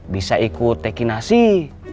bisa ikut teki nasih